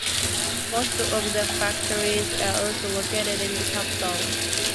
Most of the factories are also located in the capital.